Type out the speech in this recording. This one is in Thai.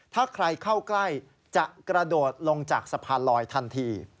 ถ้าใครเข้าใกล้จะกระโดดลงจากสะพานลอยทันที